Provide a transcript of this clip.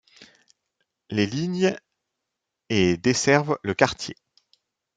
Les lignes et desservent le quartier.